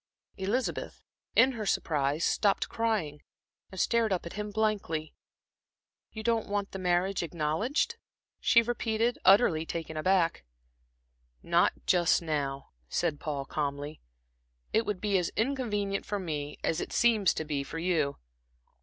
Elizabeth, in her surprise, stopped crying and stared up at him blankly. "You don't want the marriage acknowledged?" she repeated, utterly taken aback. "Not just now," said Paul, calmly. "It would be as inconvenient for me, as it seems to be for you.